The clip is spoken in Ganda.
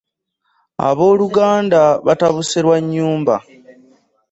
Obooluganda batabusse lwa nnyumba.